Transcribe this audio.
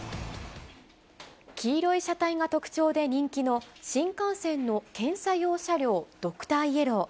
黄色い車体が特徴で人気の新幹線の検査用車両、ドクターイエロー。